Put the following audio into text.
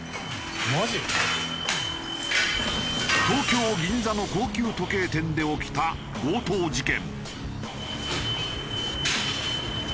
東京銀座の高級時計店で起きた強盗事件。